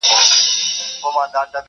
مور دي نه سي پر هغو زمریو بوره -